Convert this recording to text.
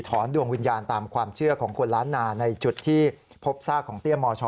ดวงวิญญาณตามความเชื่อของคนล้านนาในจุดที่พบซากของเตี้ยมช